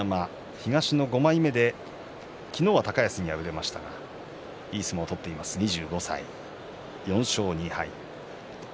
東の５枚目で昨日は高安に敗れましたがいい相撲を取っています、４勝２敗。